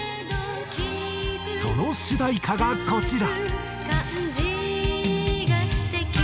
その主題歌がこちら。